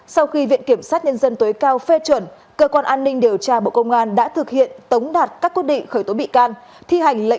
sau khi viện kiểm sát nhân dân tối cao phê chuẩn cơ quan an ninh điều tra bộ công an đã thực hiện tống đạt các quyết định